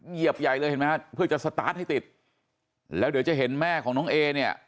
เหยียบใหญ่เลยเห็นไหมฮะเพื่อจะสตาร์ทให้ติดแล้วเดี๋ยวจะเห็นแม่ของน้องเอเนี่ย